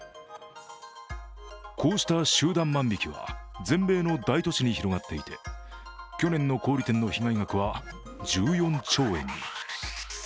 こうした集団万引きは全米の大都市に広がっていて去年の小売店の被害額は１４兆円に。